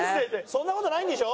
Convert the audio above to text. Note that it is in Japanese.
そんな事ないんでしょ？